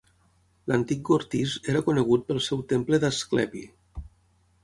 L'antic Gortys era conegut pel seu temple d'Asclepi.